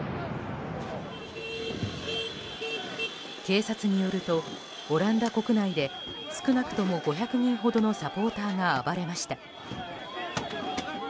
警察によるとオランダ国内で少なくとも５００人ほどのサポーターが暴れました。